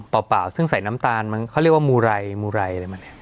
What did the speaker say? เปล่าซึ่งใส่น้ำตาลมันเขาเรียกว่ามูไรมูไรอะไรมันเนี่ย